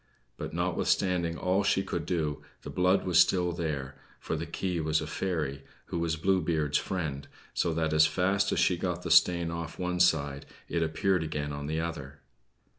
But notwithstanding all she could do, the blood was still there, for the key was a fairy, who was Blue Beard's friend, so that as fast as she got the stain off one side it appeared again on the other.